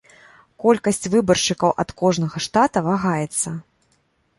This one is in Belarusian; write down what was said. Колькасць выбаршчыкаў ад кожнага штата вагаецца.